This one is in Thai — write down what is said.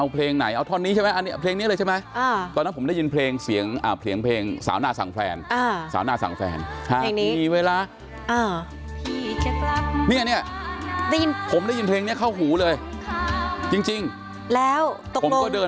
พี่หวยไม่อำอะไรพี่หวยไม่ตลกอะไร